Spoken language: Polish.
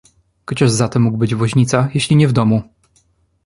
"Gdzież zatem mógł być woźnica, jeśli nie w domu?"